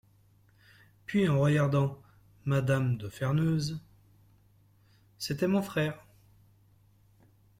Puis, regardant M^{me} de Ferneuse : —«C’était mon frère.